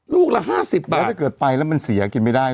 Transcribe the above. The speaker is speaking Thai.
ลูกละ๕๐บาทแล้วถ้าเกิดไปแล้วมันเสียกินไม่ได้